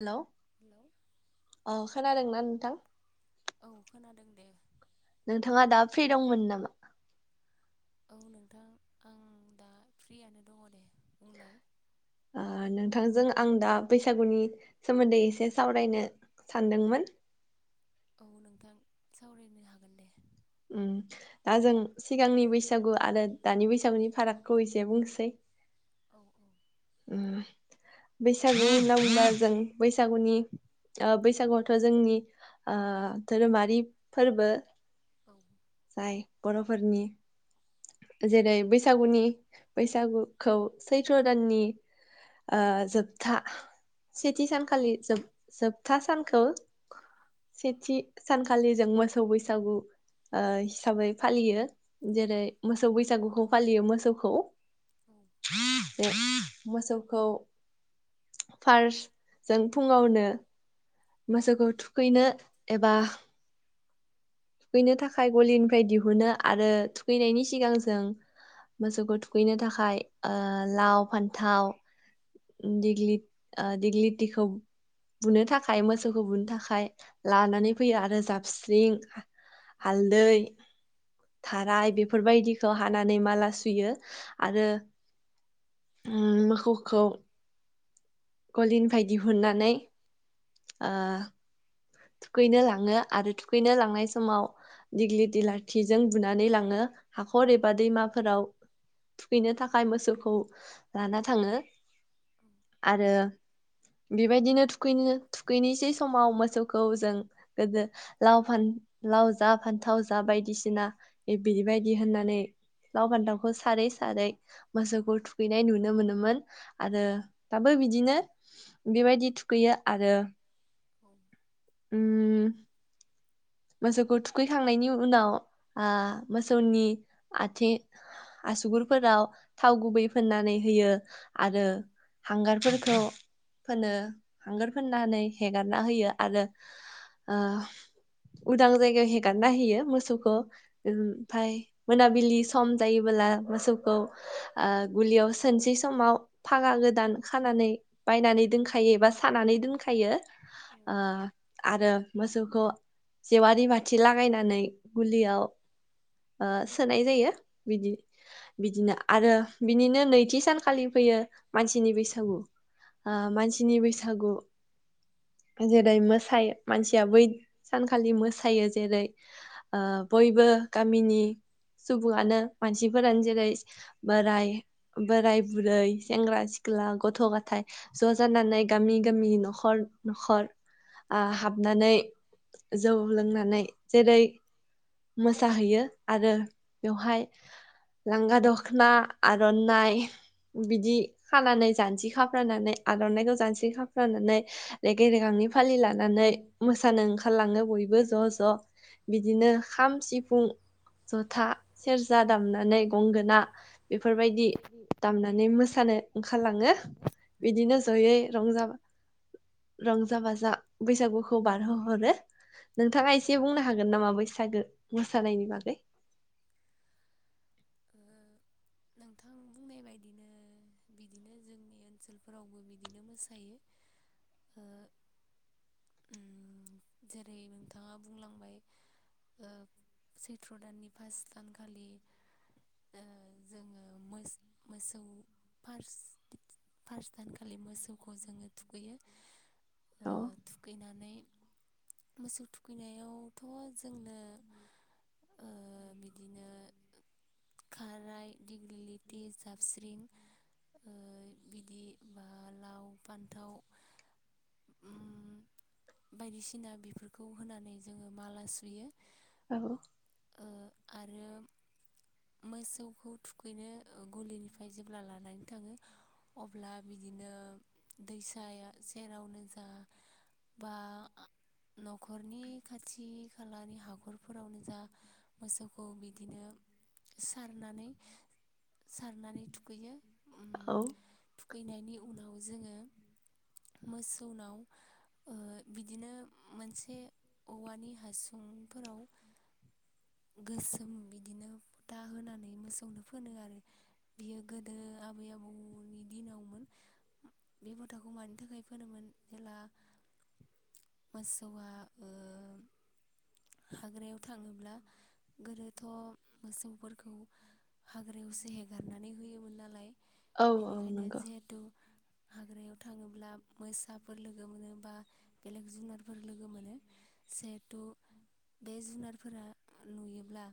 हेल' hello औ खोनादोंना नोंथां? औ खोनादों दे नोंथाङा दा फ्रि दंमोन नामा? औ नोंथां आं दा फ्रियानो दङ दे बुंलाय ओ नोंथांजों आं दा बैसागुनि सोमोन्दै एसे सावरायनो सानदोंमोन औ नोंथां सावरायनो हागोन दे। उम दा जों सिगांनि बैसागु आरो दानि बैसागुनि फारागखौ एसे बुंनोसै औ उम बैसागु होनना बुंब्ला जों बैसागुनि ओ बैसागुआथ' जोंनि दोरोमारि फोरबो औ जाय बर'फोरनि जेरै बैसागुनि बैसागुखौ सैथ्र' दाननि ओ जोबथा सेथि औ सानखालि जोब जोबथा सानखौ सेथि सानखालि जों मोसौ बैसागु ओ हिसाबै फालियो। औ जेरै मोसौ बैसागुखौ फालियो मोसौखौ मोसौखौ फार्स्ट जों फुङावनो मोसौखौ थुखैनो एबा थुखैनो थाखाय गलिनिफ्राय दिहुनो आरो थुखैनायनि सिगां जों मोसौखौ थुखैनो थाखाय ओ लाव फान्थाव दिग्लीद ओ दिग्ली दिखौ बुनो थाखाय मोसौखौ बुनो थाखाय लानानै फैयो आरो जाबस्रिं हालदै थाराय बेफोरबायदिखौ हानानै माला सुयो आरो उम मोखौखौ गलिनिफ्राय दिहुननानै ओ थुखैनो लाङो आरो थुखैनो लांनाय समाव दिग्लि दिलार थिजों बुनानै लाङो हाखर एबा दैमा फोराव थुखैनो थाखाय मोसौखौ लाना थाङो आरो बेबायदिनो थुखैनो थुखैनोसै समाव मोसौ खौ जों गोदो लाव फान लाव जा फान्थाव जा बायदिसिना बिदिबायदि होननानै लाव फान्थावखौ सारै सारै मोसौखौ थुखैनाय नुनो मोनोमोन आरो दाबो बिदिनो बिबायदि थुखैयो आरो [inaudible] उम। मोसौखौ थुखैखांनायनि उनाव आ मोसौनि आथिं आसुगुरफोराव थाव गुबै फोननानै होयो आरो औ हांगारफोरखौ फोनो हांगार फोननानै हेगारना होयो आरो ओ। उदां जायगायाव हेगारना होयो मोसौखौ। ओमफाय मोनाबिलि सम जायोबोला मोसौखौ ओ गुलियाव सोनोसै समाव फागा गोदान खानानै बायनानै दोनखायो एबा सानानै दोनखायो। औ ओ आरो मोसौखौ जेवारि बाथि लागायनानै गुलियाव ओ सोनाय जायो बिदि। बिदिनो आरो बिनिनो नैथि सानखालि फैयो मानसिनि बैसागु। आ मानसिनि बैसागु जेरै मोसायो मानसिया बै सानखालि मोसायो जेरै ओ बयबो गामिनि सुबुंआनो मानसिफोरानो जेरै बोराय बोराय बुरै सेंग्रा सिख्ला गथ' गथाय ज' जानानै गामि गामि न'खर आ हाबनानै जौ लोंनानै जेरै मोसाहैयो आरो बेवहाय लांगा दख'ना आर'नाइ बिदि खानानै जानजि खाफ्रानानै आर'नाइखौ जानजि खाफ्रानानै रेगे रेगांनि फालि लानानै। मोसानो ओंखारलाङो बयबो ज' ज' बिदिनो खाम सिफुं जथा सेरजा दामनानै गंगोना बेफोरबायदि दामनानै मोसानो ओंखारलाङो। बिदिनो जयै रंजाबा रंजा बाजा बैसागुखौ बारहोहरो नोंथाङा एसे बुंनो हागोन नामा बैसागो मोसानायनि बागै। ओ। नोंथां बुंनाय बायदिनो बिदिनो जोंनि ओनसोलफोरावबो बिदिनो मोसायो। ओ उम जेरै नोंथाङा बुंलांबाय। ओ सैथ्र' दाननि फास दानखालि ओ जोङो मोस मोसौ फार्स फार्स्ट दानखालि मोसौखौ जोङो थुखैयो। ओ औ थुखैनानै मोसौ थुखैनायावथ' जोंनो ओ बिदिनो। खाराइ दीग्लिलिति जाबस्रिं ओ बिदि बा लाव बान्थाव उम। बायदिसिना बिफोरखौ होनानै जोङो माला सुयो। औ। ओ आरो मोसौखौ थुखैनो ओ गलिनिफ्राय जेब्ला लानानै थाङो अब्ला बिदिनो दैसाया सेरावनो जा बा न'खरनि खाथि खालानि हाखरफोरावनो जा मोसौखौ बिदिनो सारनानै सारनानै थुखैयो ओम। औ थुखैनायनि उनाव जोङो मोसौनाव ओ बिदिनो मोनसे औवानि हासुंफोराव गोसोम बिदिनो फुथा होनानै मोसौनो फोनो आरो। बियो गोदो आबै आबौनि दिनावमोन। बे फोथाखौ मानि थाखाय फोनोमोन जेला मोसौआ ओ हाग्रायाव थाङोब्ला गोदोथ' मोसौफोरखौ हाग्रायावसे हेगारनानै होयोमोन नालाय औ औ बेनिखायनो नंगौ जिहेथु हाग्रायाव थाङोब्ला मोसाफोर लोगो मोनो बा बेलेग जुनारफोर मोनो। जेहथु बे जुनारफोरा नुयोब्ला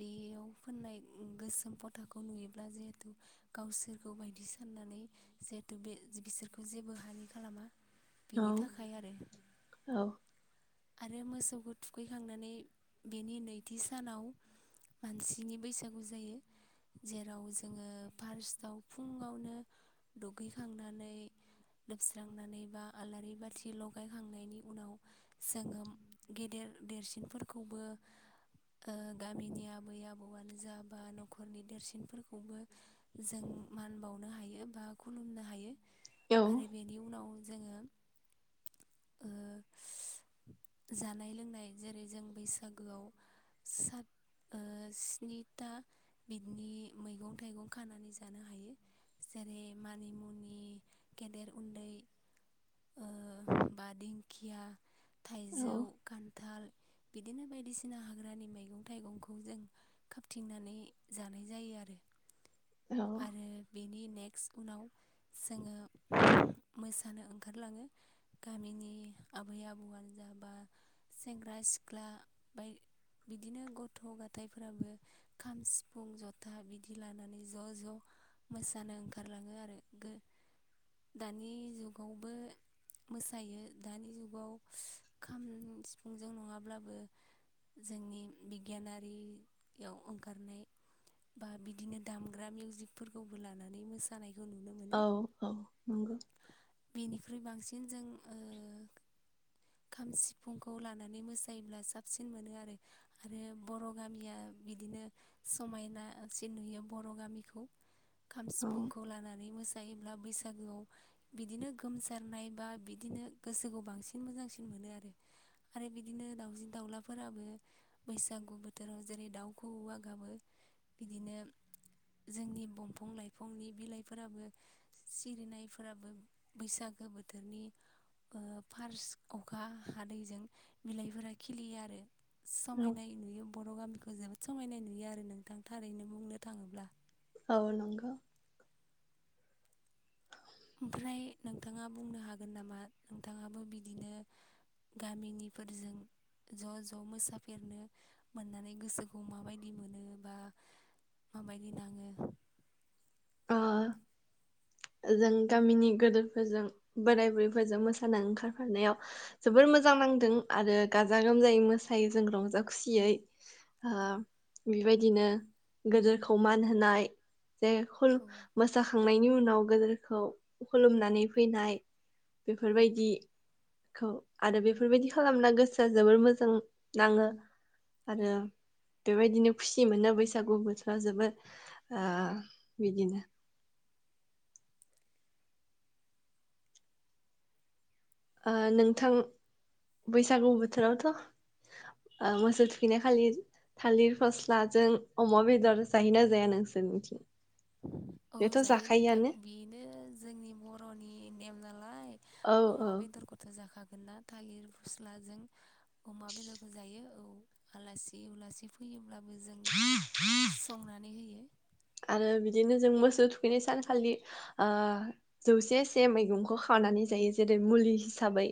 बेयाव फोननाय गोसोम फथाखौ नुयोब्ला जिहेथु गावसोरखौ बायदि साननानै जिहेथु बे बिसोरखौ जेबो हानि खालामा। औ बिनि थाखाय आरो औ आरो मोसौ थुखैखांनानै बेनि नैथि सानाव मानसिनि बैसागु जायो। जेराव जोङो फार्स्टआव फुंङावनो दुगैखांनानै लोबस्रांनानै बा आलारि बाथि लगायखांनायनि उनाव जोङो गेदेर देरसिनफोरखौबो ओ गामिनि आबै आबौआनो जा बा न'खरनि देरसिनफोरखौबो जों मान बावनो हायो बा खुलुमनो हायो औ आरो बेनि उनाव जोङो ओ जानाय लोंनाय जेरै जों बैसागोआव सात ओ स्निथा बिदनि मैगं खानानै जानो हायो। जेरै मानिमुनि गेदेर उन्दै ओ बा दिंखिया औ थाइजौ खान्थाल बिदिनो बायदिसिना हाग्रानि मैगं थाइगंखौ जों खाबथिंनानै जानाय जायो आरो। औ आरो बेनि नेक्स्ट उनाव जोङो मोसानो ओं ओंखारलाङो। गामिनि आबै आबौआानो जा बा सेंग्रा सिख्ला बाय बिदिनो गथ' गथाइफोराबो खाम, सिफुं, जथा बिदि लानानै ज' ज' मोसानो ओंखारलाङो आरो गो दानि जुगावबो मोसायो दानि जुगाव खाम सिफुंजों नङाब्लाबो जोंनि बिगियानारियाव ओंखारनाय बा बिदिनो दामग्रा मिउजिकफोरखौबो लानानै मोसा जानायखौ नुनो मो औ औ नंगौ। बेनिख्रुइ बांसिन जों ओ खाम सिफुंखौ लानानै मोसायोब्ला साबसिन मोनो आरो। आरो बर' गामिया बिदिनो समायनासिन नुयो बर' गामिखौ खाम औ सिफुंखौ लानानै मोसायोब्ला बैसागोआव बिदिनो गोमसारनाय बा बिदिनो गोसोखौ बांसिन मोजांसिन मोनो आरो। आरो बिदिनो दाउसिन दाउलाफोराबो बैसागु बोथोराव जेरै दाउखौऔवा गाबो बिदिनो जोंनि दंफां- लाइफांनि बिलाइफोराबो सिरिनायफोराबो बैसागो बोथोरनि ओ फार्स अखा हादैजों बिलाइफोरा खिलियो आरो समायनाय नुयो बर' गामिखौ जोबोद समायनाय नुयो आरो नोंथां थारैनो बुंनो थाङोब्ला औ नंगौ ओमफ्राय नोंथाङा बुंनो हागोन नामा नोंथाङाबो बिदिनो गामिनिफोरजों ज' ज' मोसाफेरनो मोननानै गोसोखौ माबायदि मोनो बा माबायदि नाङो अ जों गामिनि गोदोरफोरजों बोराय बुरैफोरजों मोसानानै ओंखारफानायाव जोबोर मोजां नांदों आरो गाजा गोमजायै मोसायो जों रंजा खुसियै ओ औ बेबायदिनो गोदोरखौ मान होनाय जे खुलुम जाखांनायनि उनाव गोदोरखौ खुलुमनानै फैनाय बेफोरबायदि खौ आरो बेफोरबायदि खालामना गोसोआ जोबोर मोजां नाङो आरो बेबायदिनो खुसि मोनो बैसागु बोथोरा जोबोद ओ बिदिनो ओ नोंथां बैसागु बोथोरावथ' ओ मोसौ थुखैनाय खालि थालिर फस्लाजों अमा बेदर जायोना जाया नोंसोरनिथिं? औ बेथ' जायो नोंथां। जाखायोआनो बेनो जोंनि बर'नि नेम नालाय औ अमा औ बेदरखौ थ' जाखागोनना थालिर फस्लाजों। अमा बेदरबो जायो औ आलासि उलासि फैयोब्लाबो जों संनानै होयो। आरो बिदिनो जों मोसौ थुखैनाय सानखालि ओ जौसे से मैगंखौ खांनानै जायो जेरै मुलि हिसाबै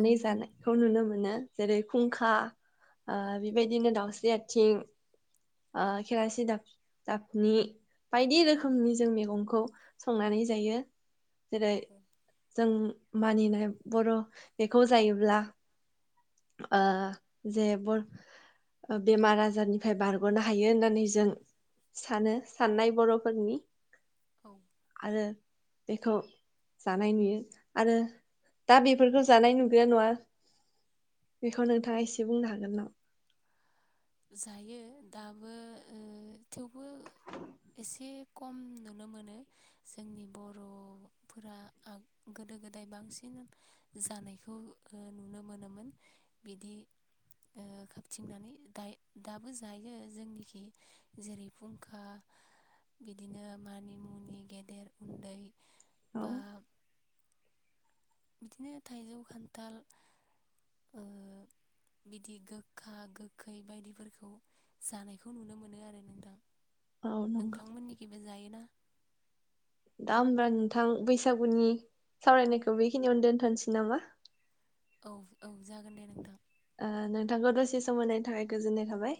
औ औ जानायखौ नुनो मोनो। जेरै खुंखा ओ औ बेबायदि बिदिनो दाउस्रि आथिं ओ औ खेरासि दाफ दाफनि बायदि औ रोखोमनि जों मैगंखौ संनानै जायो। जेरै [inaudible] जों मानिनाय बर' बेखौ जायोब्ला ओ जे बर बेमार आजारनिफ्राय बारग'नो बारग'नो हायो होननानै जों सानो साननाय बर'फोरनि। औ आरो बेखौ जानाय नुयो आरो दा बेफोरखौ जानाय नुगोना नुवा बेखौ नोंथाङा एसे बुंनो हागोन नामा? जायो दाबो ओ थेवबो एसे खम नुनो मोनो जोंनि बर'फोरा ओ गोदो गोदाय बांसिन जानायखौ ओ नुनो मोनोमोन बिदि ओ खाबथिंनानै दाइ दाबो जायो जोंनिखि जेरै फुंखा बिदिनो मानि मुनि गेदेर उन्दै औ बा बिदिनो थाइजौ खान्थाल ओ बिदि गोखा गोखै बायदिफोरखौ जानायखौ नुनो मोनो आरो नोंथां औ नंगौ नोंथांमोननिखिबो जायो ना? दा होमबा नोंथां बैसागुनि सावरायनायखौ बेखिनियावनो दोनथसै नामा! औ औ जागोन दे नोंथां। ओ नोंथांखौ दसे समहोनायनि थाखाय गोजोननाय थाबाय।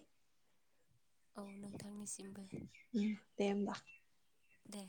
औ नोंथांनिसिमबो। उम दे होमबा। दे।